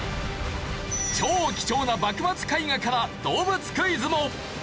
超貴重な幕末絵画から動物クイズも！